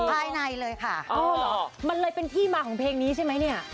ภายในเลยค่ะมันเลยเป็นที่มาของเพลงนี้ใช่ไหมเนี่ย